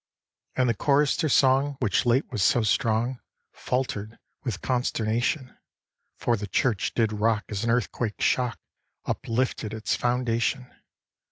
And the Choristers' song, which late was so strong, Falter'd with consternation, For the church did rock as an earthquake shock Uplifed its foundation.